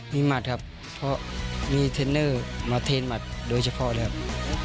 มีหมัดครับเพราะมีเทรนเนอร์มาเทนหมัดโดยเฉพาะเลยครับ